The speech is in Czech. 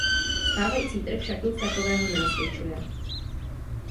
Stávající trh však nic takového nenasvědčuje.